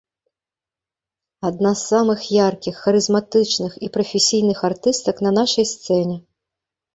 Адна з самых яркіх, харызматычных і прафесійных артыстак на нашай сцэне.